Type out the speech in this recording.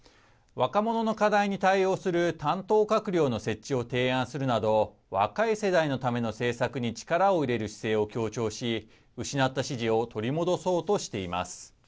若者の課題に対応する担当閣僚の設置を提案するなど若い世代のための政策に力を入れる姿勢を強調し失った支持を取り戻そうとしています。